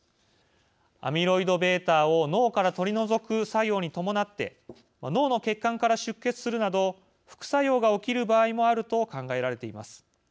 アミロイドβを脳から取り除く作用に伴って脳の血管から出血するなど副作用が起きる場合もあると考えられています。